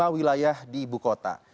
lima wilayah di ibu kota